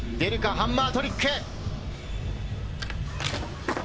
ハンマートリック。